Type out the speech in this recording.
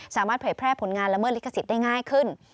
เผยแพร่ผลงานละเมิดลิขสิทธิ์ได้ง่ายขึ้น